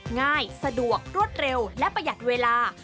ง่ายสะดวกรวดเร็วและประหยัดเวลา